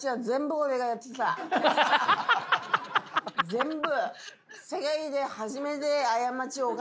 全部。